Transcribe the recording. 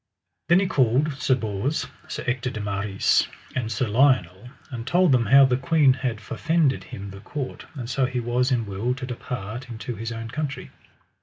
Then he called Sir Bors, Sir Ector de Maris, and Sir Lionel, and told them how the queen had forfended him the court, and so he was in will to depart into his own country.